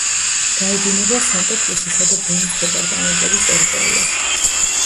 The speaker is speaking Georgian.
გაედინება სანტა-კრუსისა და ბენის დეპარტამენტების ტერიტორიაზე.